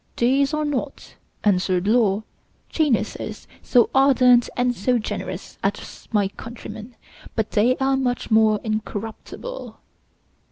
"These are not," answered Law, "geniuses so ardent and so generous as my countrymen; but they are much more incorruptible."